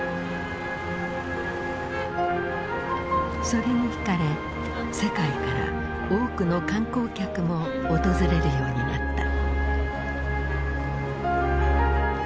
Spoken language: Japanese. それに惹かれ世界から多くの観光客も訪れるようになった。